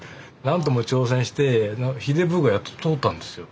何度も挑戦して「ひでぶ」がやっと通ったんですよ。